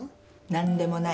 何でもない。